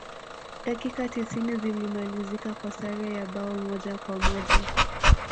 dakika tisini zilimalizika kwa sare ya bao moja kwa moja